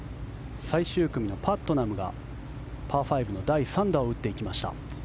最終組のパットナムがパー５の第３打を打っていきました。